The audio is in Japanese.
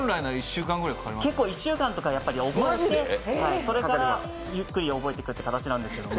１週間とかかかってそれからゆっくり覚えていく感じなんですけど。